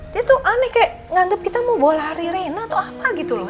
dia tuh aneh kayak nganggep kita mau bawa lari reina atau apa gitu loh